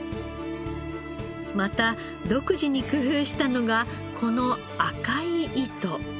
また独自に工夫したのがこの赤い糸。